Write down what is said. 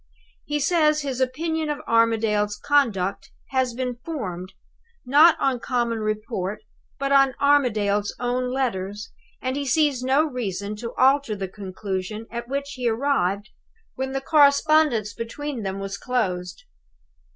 He says his opinion of Armadale's conduct has been formed, not on common report, but on Armadale's own letters, and he sees no reason to alter the conclusion at which he arrived when the correspondence between them was closed.